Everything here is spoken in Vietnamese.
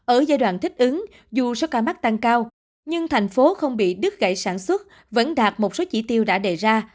ở giai đoạn thích ứng dù số ca mắc tăng cao nhưng thành phố không bị đứt gãy sản xuất vẫn đạt một số chỉ tiêu đã đề ra